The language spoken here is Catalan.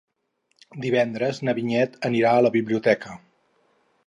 Divendres na Vinyet anirà a la biblioteca.